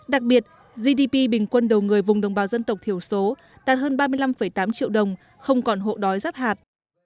đặc biệt gdp bình quân đầu người vùng đồng bào dân tộc thiểu số đạt hơn ba mươi năm tám triệu đồng không còn hộ đói rắp hạt